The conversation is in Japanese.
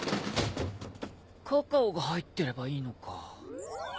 カカオが入ってればいいのか。